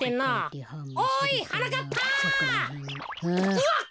うわっ！